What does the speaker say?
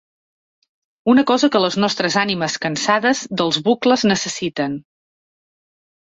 Una cosa que les nostres ànimes cansades dels bucles necessiten.